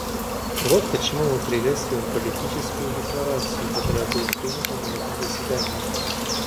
Вот почему мы приветствуем Политическую декларацию, которая будет принята на этом заседании.